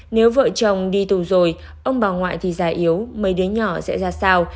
nếu vợ chồng đi tù rồi ông bà ngoại thì già yếu mấy đứa nhỏ sẽ ra sao